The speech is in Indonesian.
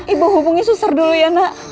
ibu hubungi suster dulu ya nak